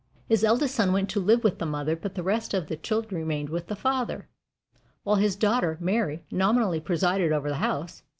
His eldest son went to live with the mother, but the rest of the children remained with their father, while his daughter Mary nominally presided over the house.